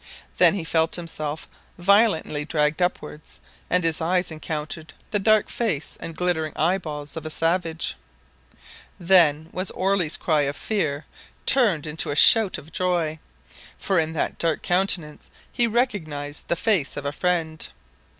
Then he felt himself violently dragged upwards, and his eyes encountered the dark face and glittering eye balls of a savage. Then was Orley's cry of fear turned into a shout of joy, for in that dark countenance he recognised the face of a friend.